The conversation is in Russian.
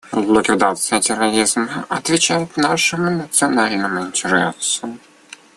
Ликвидация терроризма отвечает нашим национальным интересам.